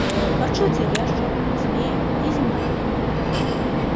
Харчуецца яшчаркамі, змеямі і земнаводнымі.